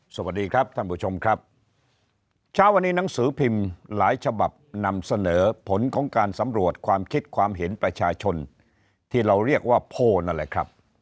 สวัสดีครับท่านผู้ชมครับเช้าวันนี้หนังสือพิมพ์หลายฉบับนำเสนอผลของการสำรวจความคิดความเห็นประชาชนที่เราเรียกว่าโพลนั่นแหละครับ